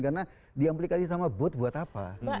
karena di amplikasi sama bots buat apa